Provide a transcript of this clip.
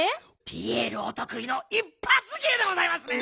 ピエールおとくいのいっぱつげいでございますね。